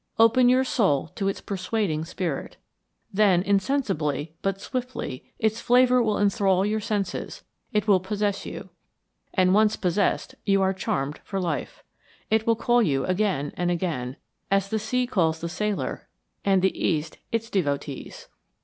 Open your soul to its persuading spirit. Then, insensibly but swiftly, its flavor will enthrall your senses; it will possess you. And once possessed, you are charmed for life. It will call you again and again, as the sea calls the sailor and the East its devotees.